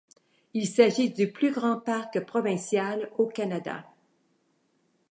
Il s'agit du plus grand parc provincial au Canada.